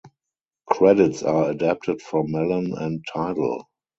Credits are adapted from Melon and Tidal.